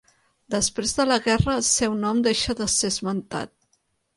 Després de la guerra el seu nom deixa de ser esmentat.